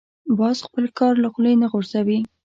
باز خپل ښکار له خولې نه غورځوي